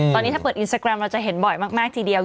ตอนนี้ถ้าเปิดอินสตาแกรมเราจะเห็นบ่อยมากทีเดียว